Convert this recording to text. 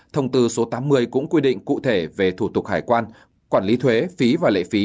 thông tư số tám mươi cũng quy định cụ thể về thủ tục hải quan quản lý thuế phí và lệ phí